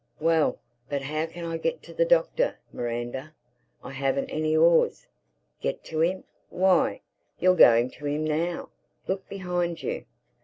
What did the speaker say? "Well, but how can I get to the Doctor, Miranda?—I haven't any oars." "Get to him!—Why, you're going to him now. Look behind you."